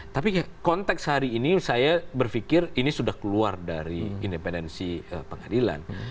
tapi konteks hari ini saya berpikir ini sudah keluar dari independensi pengadilan